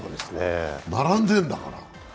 並んでるんだから。